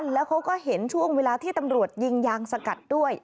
แล้วเขาก็เห็นช่วงเวลาที่ตำรวจยิงยางสกัดด้วย